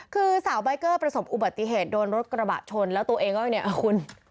คือสาวใบเกอร์ประสบอุบัติเหตุโดนรถกระบะชนแล้วตัวเองก็เนี่ยคุณ